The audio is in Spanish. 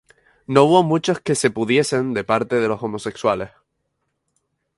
No hubo muchos que se pudiesen de parte de los homosexuales.